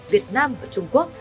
việt nam và trung quốc